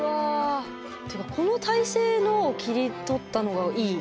ってかこの体勢のを切り取ったのがいい。